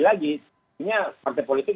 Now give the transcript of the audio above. lagi lagi partai politik